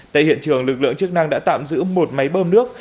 tại hiện trường lực lượng chức năng đã tạm giữ một máy bơm nước